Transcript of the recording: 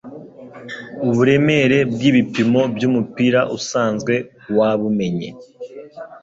uburemere bwibipimo byumupira usanzwe wabumenye ?